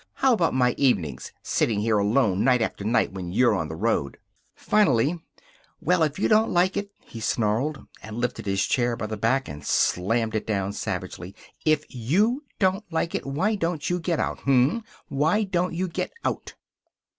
How about my evenings? Sitting here alone, night after night, when you're on the road." Finally, "Well, if you don't like it," he snarled, and lifted his chair by the back and slammed it down, savagely, "if you don't like it, why don't you get out, hm? Why don't you get out?"